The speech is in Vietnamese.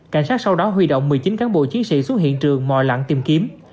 cảnh sát sau đó huy động một mươi chín cán bộ chiến sĩ xuống hiện trường mò lặn tìm kiếm